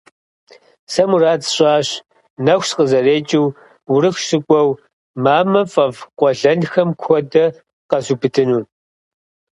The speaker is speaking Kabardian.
Сэ мурад сщӀащ, нэху сыкъызэрекӀыу Урыху сыкӀуэу, мамэ фӀэфӀ къуэлэнхэм хуэдэ къэзубыдыну.